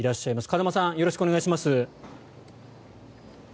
風間さんよろしくお願いします。